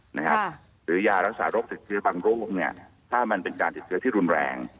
หรือยารักษารกสิทธิฟังโรคนี้ถ้ามันเป็นการกลิ่นเทียบที่รุนแรง